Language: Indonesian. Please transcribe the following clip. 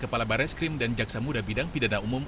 kepala barreskrim dan jaksa muda bidang pidana umum